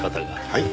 はい。